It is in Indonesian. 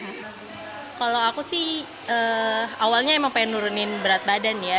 kalau aku sih awalnya emang pengen nurunin berat badan ya